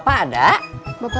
saya mau berubah